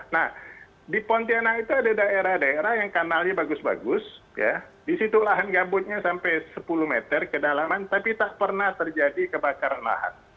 nah di pontianak itu ada daerah daerah yang kanalnya bagus bagus ya disitu lahan gambutnya sampai sepuluh meter kedalaman tapi tak pernah terjadi kebakaran lahan